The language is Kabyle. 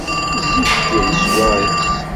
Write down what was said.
Zzit-d i leṣwar-is.